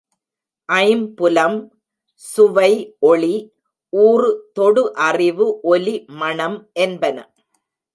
ஐம்புலம்—சுவை ஒளி, ஊறு தொடு அறிவு, ஒலி, மணம் என்பன.